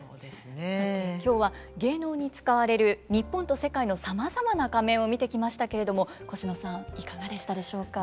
さて今日は芸能に使われる日本と世界のさまざまな仮面を見てきましたけれどもコシノさんいかがでしたでしょうか？